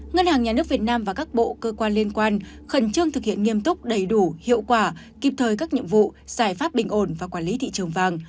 ngân hàng nhà nước việt nam và các bộ cơ quan liên quan khẩn trương thực hiện nghiêm túc đầy đủ hiệu quả kịp thời các nhiệm vụ giải pháp bình ổn và quản lý thị trường vàng